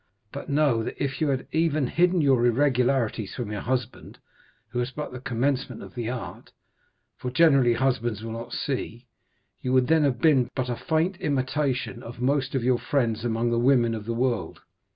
But know that if you had even hidden your irregularities from your husband, who has but the commencement of the art—for generally husbands will not see—you would then have been but a faint imitation of most of your friends among the women of the world.